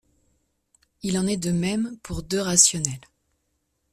Il en est de même pour deux rationnels.